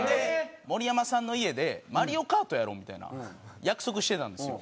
盛山さんの家で『マリオカート』やろうみたいな約束してたんですよ。